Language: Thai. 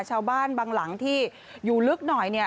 ชาวบ้านบางหลังที่อยู่ลึกหน่อยเนี่ย